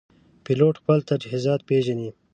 پیلوټ خپل تجهیزات پېژني.